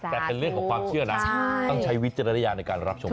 แต่เป็นเรื่องของความเชื่อนะต้องใช้วิจารณญาณในการรับชม